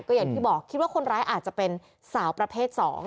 ก็อย่างที่บอกคิดว่าคนร้ายอาจจะเป็นสาวประเภท๒